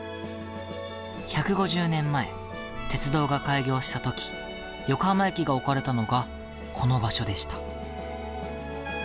１５０年前、鉄道が開業したとき横浜駅が置かれたのがこの場所でした。